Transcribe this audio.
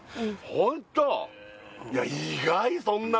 ホント？